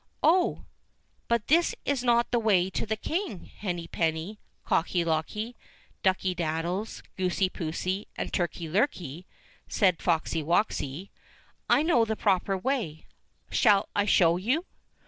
"Oh ! but this is not the way to the King, Henny penny, Cocky locky, Ducky dad dies, Goosey poosey, and Turkey lurkey," says Foxy woxy ;" I know the proper way ; shall I show it you